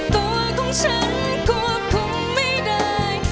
ตัวของฉันควบคุมไม่ได้